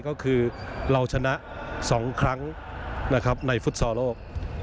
ก็คือเราชนะ๒ครั้งในฟุตซอโลก